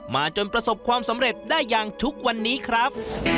จนประสบความสำเร็จได้อย่างทุกวันนี้ครับ